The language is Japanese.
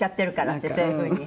って、そういうふうに。